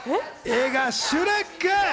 映画『シュレック』。